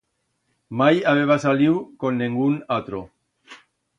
Mai habeban saliu con nengún atro.